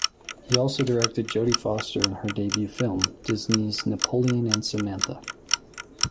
He also directed Jodie Foster in her debut film, Disney's "Napoleon and Samantha".